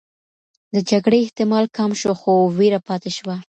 د جګړې احتمال کم شو، خو ویره پاتې شوه.